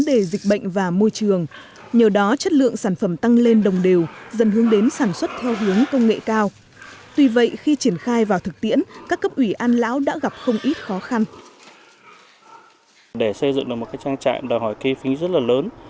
để xây dựng được một trang trại đòi hỏi ký phí rất lớn